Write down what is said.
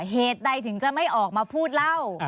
เหตุใดถึงจะไม่ออกมาพูดเล่า